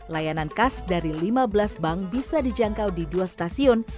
layanan khas dari lima belas bank bisa dijangkau di dua stasiun